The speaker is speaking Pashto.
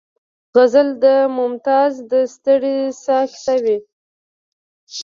غزل د ممتاز د ستړې ساه کیسه کوي